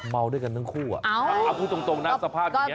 เมาด้วยกันทั้งคู่เอาผู้ตรงสภาพเงี้ย